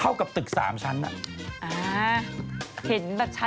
ท่อกับตึกสามชั้นน่ะ